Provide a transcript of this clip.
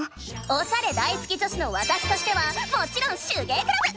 おしゃれ大好き女子のわたしとしてはもちろん手芸クラブ！